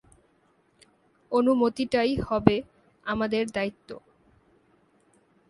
অনুমতিটাই হবে আমাদের দায়িত্ব।